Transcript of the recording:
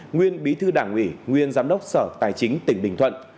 nguyên bí thư đảng ủy nguyên giám đốc sở tài chính tỉnh bình thuận